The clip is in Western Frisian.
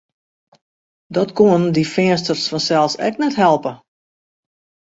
Dat koenen dy Feansters fansels ek net helpe.